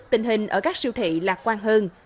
tình hình ở các siêu thị lạc quan hơn